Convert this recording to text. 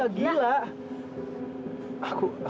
kamu nggak benar benar gila